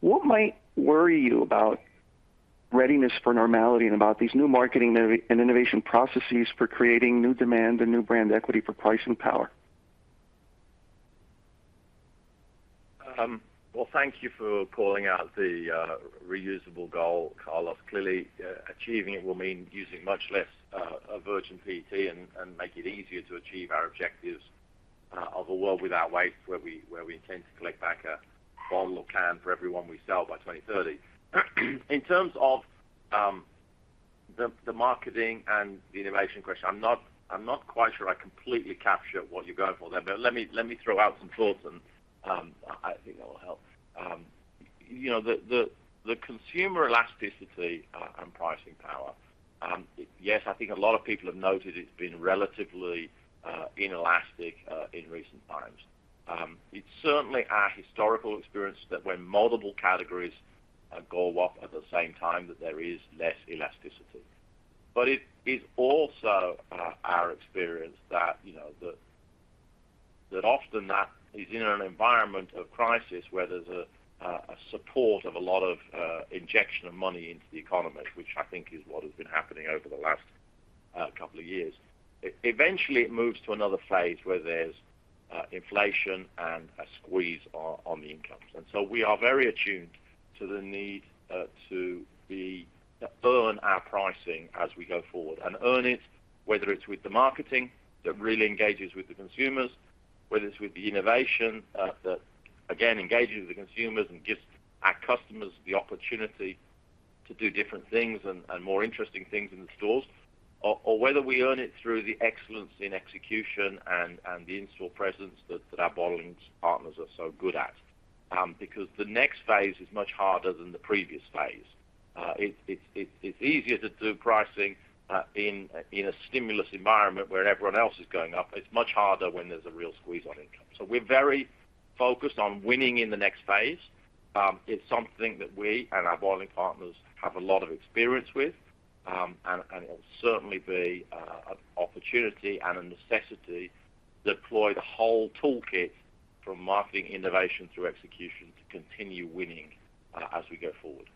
What might worry you about readiness for normality and about these new marketing and innovation processes for creating new demand and new brand equity for pricing power? Well, thank you for calling out the reusable goal, Carlos. Clearly, achieving it will mean using much less virgin PET and make it easier to achieve our objectives of a World Without Waste, where we intend to collect back a bottle or can for every one we sell by 2030. In terms of the marketing and the innovation question, I'm not quite sure I completely capture what you're going for there. Let me throw out some thoughts and I think that will help. You know, the consumer elasticity and pricing power, yes, I think a lot of people have noted it's been relatively inelastic in recent times. It's certainly our historical experience that when multiple categories go up at the same time, that there is less elasticity. It is also our experience that, you know, often that is in an environment of crisis where there's injection of money into the economy, which I think is what has been happening over the last couple of years. Eventually, it moves to another phase where there's inflation and a squeeze on the incomes. We are very attuned to the need to earn our pricing as we go forward. Earn it, whether it's with the marketing that really engages with the consumers, whether it's with the innovation that again engages the consumers and gives our customers the opportunity to do different things and more interesting things in the stores, or whether we earn it through the excellence in execution and the in-store presence that our bottling partners are so good at. Because the next phase is much harder than the previous phase. It's easier to do pricing in a stimulus environment where everyone else is going up. It's much harder when there's a real squeeze on income. We're very focused on winning in the next phase. It's something that we and our bottling partners have a lot of experience with. It'll certainly be an opportunity and a necessity to deploy the whole toolkit from marketing innovation through execution to continue winning as we go forward.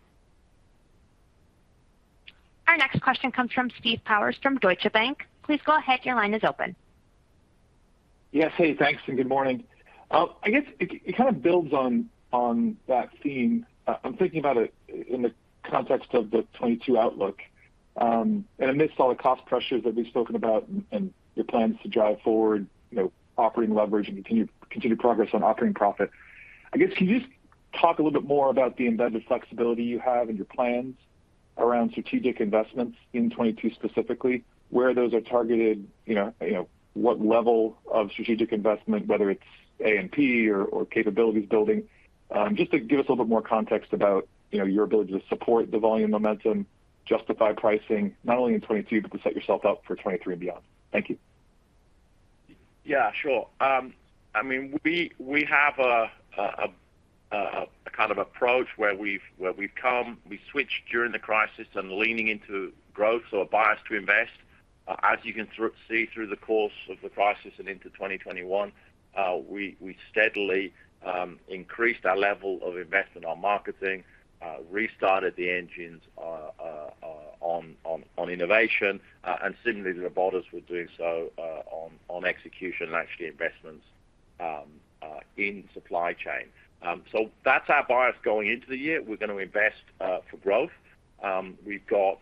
Our next question comes from Steve Powers from Deutsche Bank. Please go ahead, your line is open. Yes. Hey, thanks, and good morning. I guess it kind of builds on that theme. I'm thinking about it in the context of the 2022 outlook. Amidst all the cost pressures that we've spoken about and your plans to drive forward, you know, operating leverage and continued progress on operating profit. I guess, can you just talk a little bit more about the embedded flexibility you have and your plans around strategic investments in 2022 specifically, where those are targeted, you know, what level of strategic investment, whether it's A&P or capabilities building? Just to give us a little bit more context about, you know, your ability to support the volume momentum, justify pricing, not only in 2022, but to set yourself up for 2023 and beyond. Thank you. Yeah, sure. I mean, we have a kind of approach where we've come. We switched during the crisis and leaning into growth, so a bias to invest. As you can see through the course of the crisis and into 2021, we steadily increased our level of investment on marketing, restarted the engines on innovation, and similarly, the bottlers were doing so on execution and actually investments in supply chain. That's our bias going into the year. We're gonna invest for growth. We've got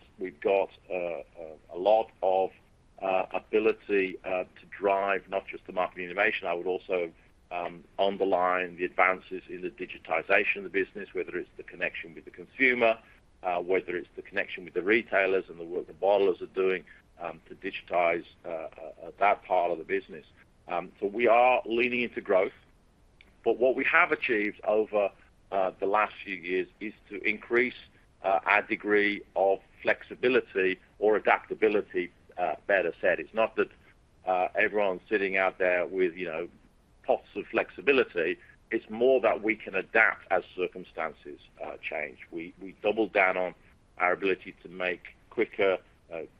a lot of ability to drive not just the market innovation. I would also underline the advances in the digitization of the business, whether it's the connection with the consumer, whether it's the connection with the retailers and the work the bottlers are doing to digitize that part of the business. We are leaning into growth. What we have achieved over the last few years is to increase our degree of flexibility or adaptability, better said. It's not that everyone's sitting out there with, you know, pots of flexibility. It's more that we can adapt as circumstances change. We doubled down on our ability to make quicker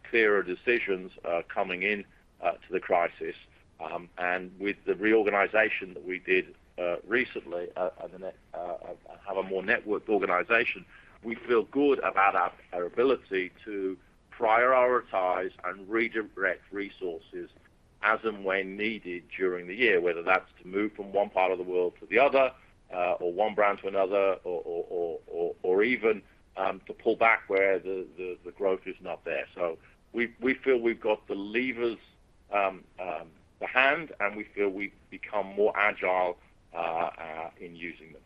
clearer decisions coming in to the crisis. With the reorganization that we did recently, have a more networked organization, we feel good about our ability to prioritize and redirect resources as and when needed during the year, whether that's to move from one part of the world to the other, or one brand to another or even to pull back where the growth is not there. We feel we've got the levers, the hand, and we feel we've become more agile in using them.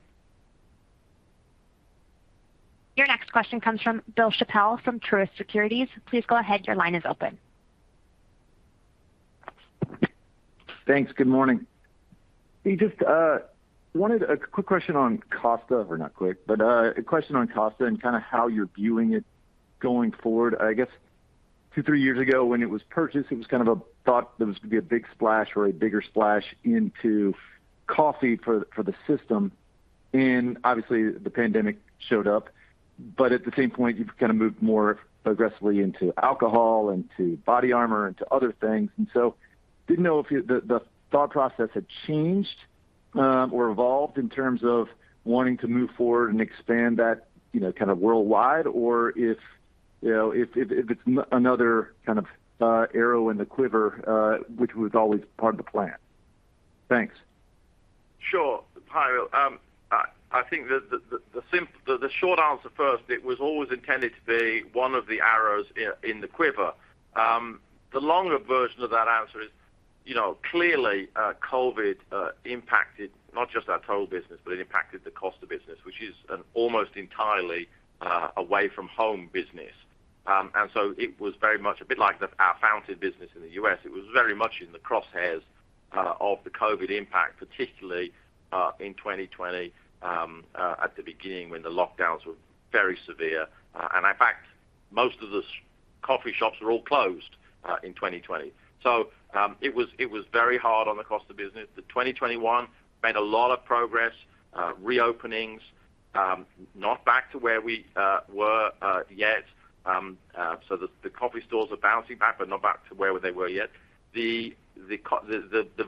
Your next question comes from Bill Chappell from Truist Securities. Please go ahead. Your line is open. Thanks. Good morning. Just wanted a quick question on Costa, or not quick, but a question on Costa and kind of how you're viewing it going forward. I guess two, three years ago when it was purchased, it was kind of a thought that it was to be a big splash or a bigger splash into coffee for the system. Obviously, the pandemic showed up. At the same point, you've kind of moved more aggressively into alcohol, into BODYARMOR, into other things. Didn't know if the thought process had changed or evolved in terms of wanting to move forward and expand that, you know, kind of worldwide, or if you know, if it's another kind of arrow in the quiver, which was always part of the plan. Thanks. Sure, Bill. I think the short answer first, it was always intended to be one of the arrows in the quiver. The longer version of that answer is, you know, clearly, COVID impacted not just our total business, but it impacted the Costa business, which is an almost entirely away from home business. It was very much a bit like our Fountain business in the U.S. It was very much in the crosshairs of the COVID impact, particularly in 2020 at the beginning when the lockdowns were very severe. In fact, most of the coffee shops were all closed in 2020. It was very hard on the Costa business. In 2021, we made a lot of progress on reopenings, not back to where we were yet. The coffee stores are bouncing back, but not back to where they were yet. The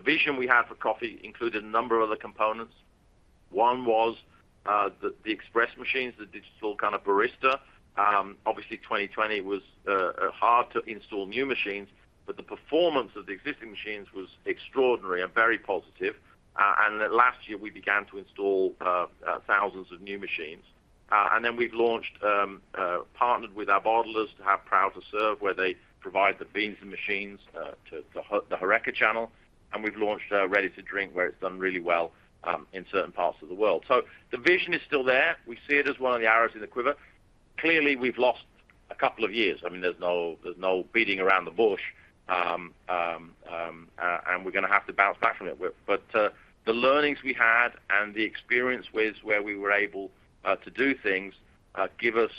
vision we had for coffee included a number of other components. One was the express machines, the digital kind of barista. Obviously, 2020 was hard to install new machines, but the performance of the existing machines was extraordinary and very positive. Last year, we began to install thousands of new machines. We partnered with our bottlers to have Proud to Serve, where they provide the beans and machines to the HoReCa channel. We've launched Ready-to-Drink, where it's done really well in certain parts of the world. The vision is still there. We see it as one of the arrows in the quiver. Clearly, we've lost a couple of years. I mean, there's no beating around the bush. We're going to have to bounce back from it. The learnings we had and the experience where we were able to do things give us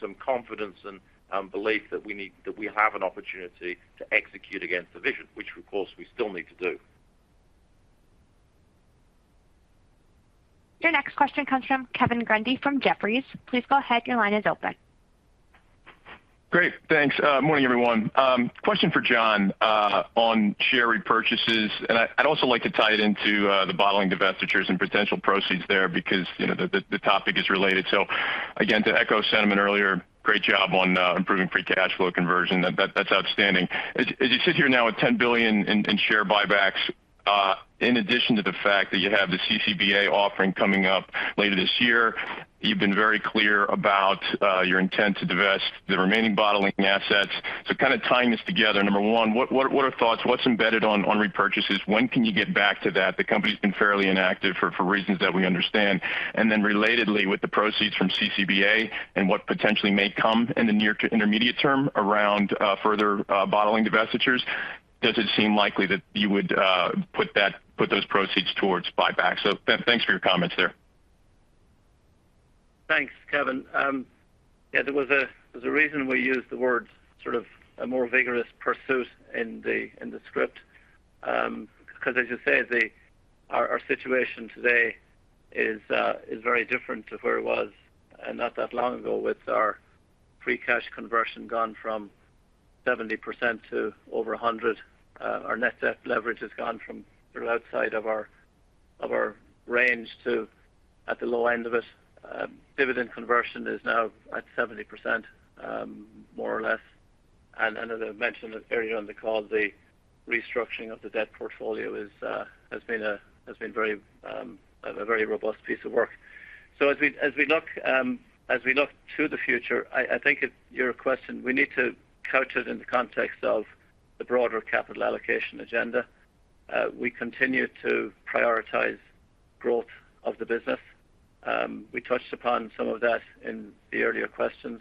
some confidence and belief that we have an opportunity to execute against the vision, which, of course, we still need to do. Your next question comes from Kevin Grundy from Jefferies. Please go ahead. Your line is open. Great. Thanks. Morning, everyone. Question for John on share repurchases. I'd also like to tie it into the bottling divestitures and potential proceeds there because, you know, the topic is related. Again, to echo sentiment earlier, great job on improving free cash flow conversion. That's outstanding. As you sit here now with $10 billion in share buybacks, in addition to the fact that you have the CCBA offering coming up later this year, you've been very clear about your intent to divest the remaining bottling assets. Kind of tying this together, number one, what are thoughts? What's embedded on repurchases? When can you get back to that? The company's been fairly inactive for reasons that we understand. Relatedly, with the proceeds from CCBA and what potentially may come in the near to intermediate term around further bottling divestitures, does it seem likely that you would put those proceeds towards buybacks? Thanks for your comments there. Thanks, Kevin. Yeah, there's a reason we use the words sort of a more vigorous pursuit in the script, 'cause as you say, our situation today is very different to where it was, and not that long ago, with our free cash conversion gone from 70% to over 100%. Our net debt leverage has gone from outside of our range to at the low end of it. Dividend conversion is now at 70%, more or less. As I mentioned earlier on the call, the restructuring of the debt portfolio has been a very robust piece of work. As we look to the future, I think your question, we need to couch it in the context of the broader capital allocation agenda. We continue to prioritize growth of the business. We touched upon some of that in the earlier questions,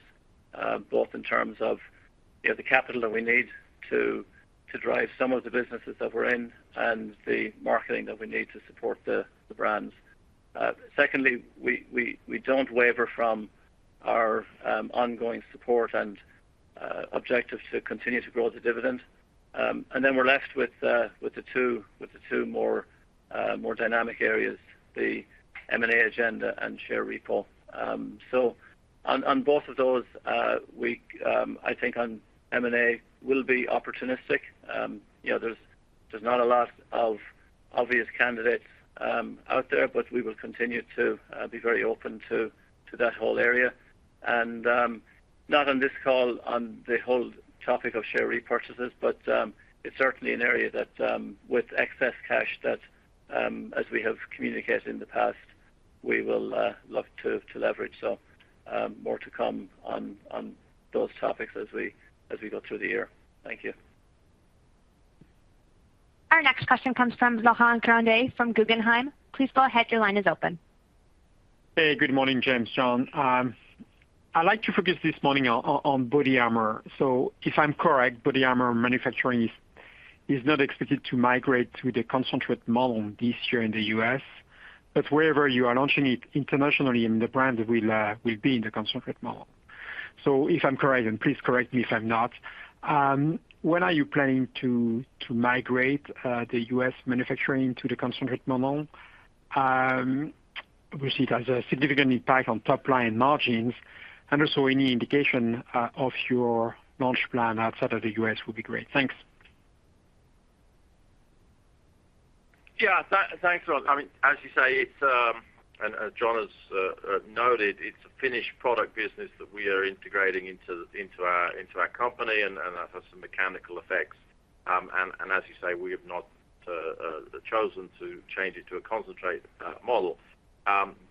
both in terms of, you know, the capital that we need to drive some of the businesses that we're in and the marketing that we need to support the brands. Secondly, we don't waver from our ongoing support and objective to continue to grow the dividend. Then we're left with the two more dynamic areas, the M&A agenda and share repo. On both of those, I think on M&A will be opportunistic. You know, there's not a lot of obvious candidates out there, but we will continue to be very open to that whole area. Not on this call on the whole topic of share repurchases, but it's certainly an area that, with excess cash that, as we have communicated in the past, we will look to leverage. More to come on those topics as we go through the year. Thank you. Our next question comes from Laurent Grandet from Guggenheim. Please go ahead, your line is open. Hey, good morning, James, John. I'd like to focus this morning on BODYARMOR. If I'm correct, BODYARMOR manufacturing is not expected to migrate to the concentrate model this year in the U.S. Wherever you are launching it internationally in the brand will be in the concentrate model. If I'm correct, and please correct me if I'm not, when are you planning to migrate the U.S. manufacturing to the concentrate model? We see it has a significant impact on top line margins, and also any indication of your launch plan outside of the U.S. would be great. Thanks. Yeah. Thanks, Laurent. I mean, as you say, and as John has noted, it's a finished product business that we are integrating into our company, and that has some mechanical effects. And as you say, we have not chosen to change it to a concentrate model.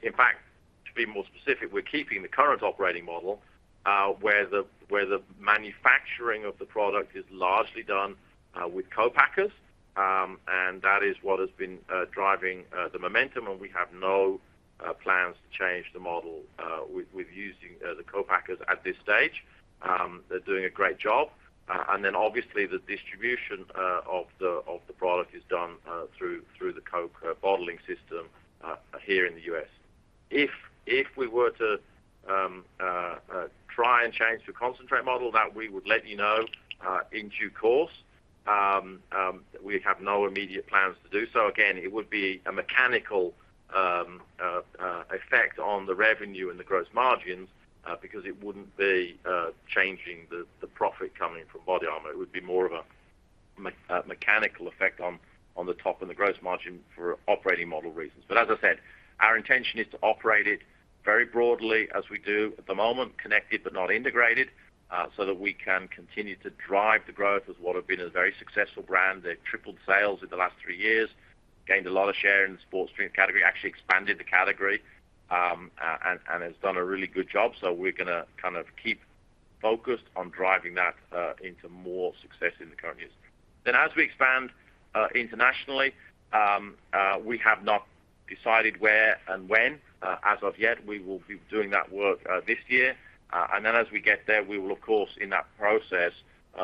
In fact, to be more specific, we're keeping the current operating model, where the manufacturing of the product is largely done with co-packers. And that is what has been driving the momentum, and we have no plans to change the model with using the co-packers at this stage. They're doing a great job. And then obviously the distribution of the product is done through the Coke bottling system here in the U.S. If we were to try and change the concentrate model, that we would let you know in due course. We have no immediate plans to do so. Again, it would be a mechanical effect on the revenue and the gross margins, because it wouldn't be changing the profit coming in from BODYARMOR. It would be more of a mechanical effect on the top and the gross margin for operating model reasons. As I said, our intention is to operate it very broadly as we do at the moment, connected but not integrated, so that we can continue to drive the growth as what have been a very successful brand. They've tripled sales in the last three years, gained a lot of share in the sports drink category, actually expanded the category, and has done a really good job. We're gonna kind of keep focused on driving that into more success in the coming years. As we expand internationally, we have not decided where and when as of yet, we will be doing that work this year. As we get there, we will of course in that process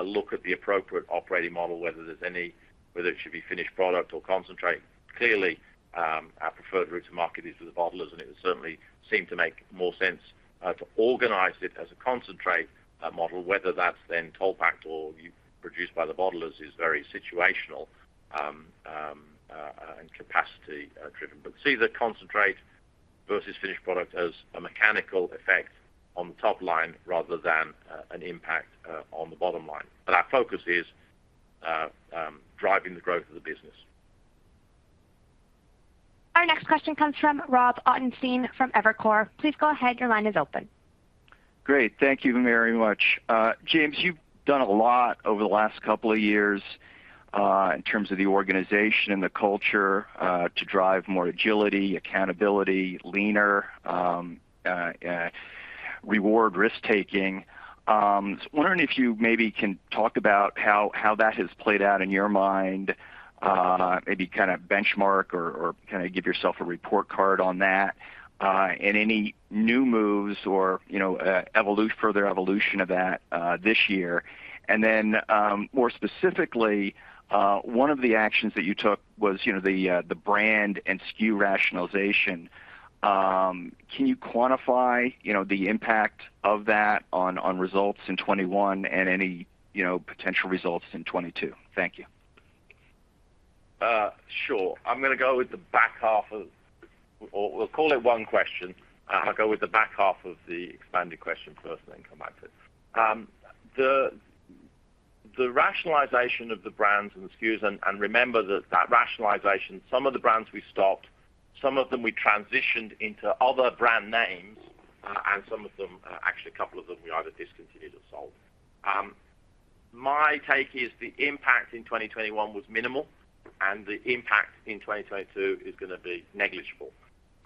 look at the appropriate operating model, whether there's any, whether it should be finished product or concentrate. Clearly, our preferred route to market is with the bottlers, and it would certainly seem to make more sense to organize it as a concentrate model, whether that's then toll packed or produced by the bottlers is very situational and capacity driven. See the concentrate versus finished product as a mechanical effect on the top line rather than an impact on the bottom line. Our focus is driving the growth of the business. Our next question comes from Rob Ottenstein from Evercore. Please go ahead, your line is open. Great. Thank you very much. James, you've done a lot over the last couple of years in terms of the organization and the culture to drive more agility, accountability, leaner, reward risk-taking. Just wondering if you maybe can talk about how that has played out in your mind, maybe kind of benchmark or kind of give yourself a report card on that, and any new moves or, you know, further evolution of that this year. More specifically, one of the actions that you took was, you know, the brand and SKU rationalization. Can you quantify, you know, the impact of that on results in 2021 and any, you know, potential results in 2022? Thank you. Sure. I'll go with the back half of the expanded question first, then come back to it. The rationalization of the brands and SKUs, and remember that rationalization, some of the brands we stopped, some of them we transitioned into other brand names, and some of them, actually a couple of them we either discontinued or sold. My take is the impact in 2021 was minimal, and the impact in 2022 is gonna be negligible.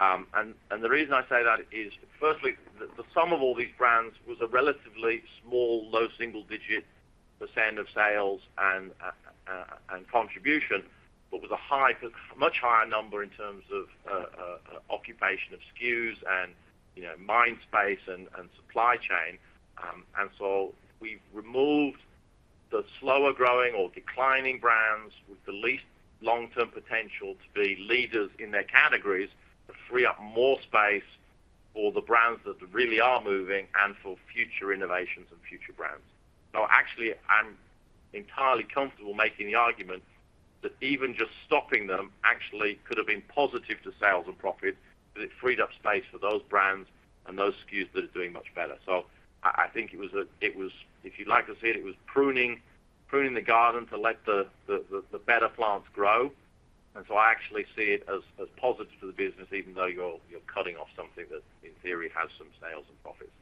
The reason I say that is, firstly, the sum of all these brands was a relatively small, low single-digit percent of sales and contribution, but with a high, much higher number in terms of occupation of SKUs and, you know, mind space and supply chain. We've removed the slower growing or declining brands with the least long-term potential to be leaders in their categories to free up more space for the brands that really are moving and for future innovations and future brands. Actually, I'm entirely comfortable making the argument that even just stopping them actually could have been positive to sales and profit, but it freed up space for those brands and those SKUs that are doing much better. I think it was—if you'd like to say it was pruning the garden to let the better plants grow. I actually see it as positive to the business, even though you're cutting off something that in theory has some sales and profits.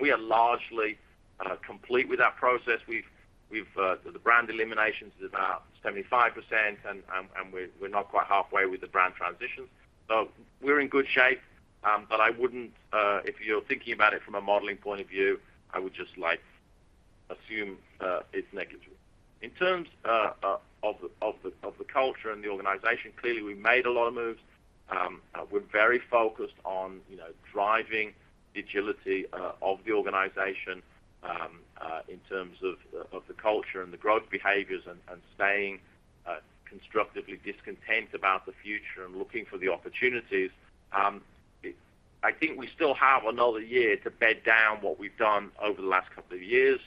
We are largely complete with that process. We've the brand elimination is about 75%, and we're not quite halfway with the brand transition. We're in good shape. But I wouldn't if you're thinking about it from a modeling point of view, I would just like assume it's negative. In terms of the culture and the organization, clearly, we made a lot of moves. We're very focused on, you know, driving agility of the organization in terms of the culture and the growth behaviors and staying constructively discontent about the future and looking for the opportunities. I think we still have another year to bed down what we've done over the last couple of years.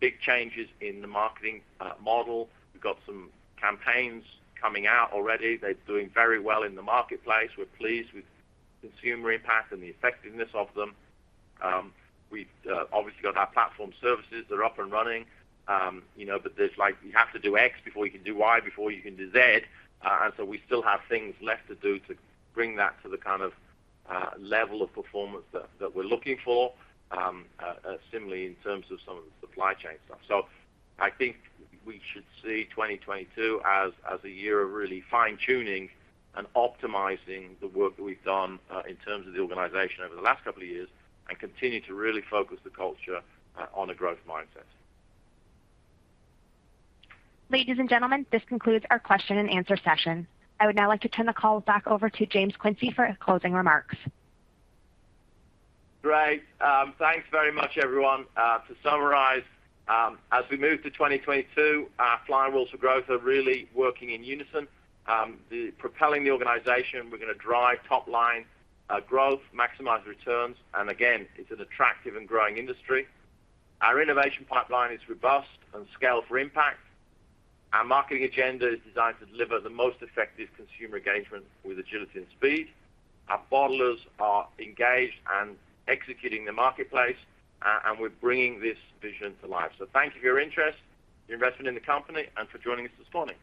Big changes in the marketing model. We've got some campaigns coming out already. They're doing very well in the marketplace. We're pleased with consumer impact and the effectiveness of them. We've obviously got our platform services. They're up and running. You know, but there's like, you have to do X before you can do Y, before you can do Z. We still have things left to do to bring that to the kind of level of performance that we're looking for, similarly in terms of some of the supply chain stuff. I think we should see 2022 as a year of really fine-tuning and optimizing the work that we've done in terms of the organization over the last couple of years and continue to really focus the culture on a growth mindset. Ladies and gentlemen, this concludes our question and answer session. I would now like to turn the call back over to James Quincey for his closing remarks. Great. Thanks very much, everyone. To summarize, as we move to 2022, our flywheels for growth are really working in unison. Propelling the organization, we're gonna drive top line growth, maximize returns. Again, it's an attractive and growing industry. Our innovation pipeline is robust and scaled for impact. Our marketing agenda is designed to deliver the most effective consumer engagement with agility and speed. Our bottlers are engaged and executing the marketplace, and we're bringing this vision to life. Thank you for your interest, your investment in the company, and for joining us this morning.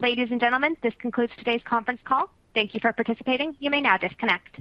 Ladies and gentlemen, this concludes today's conference call. Thank you for participating. You may now disconnect.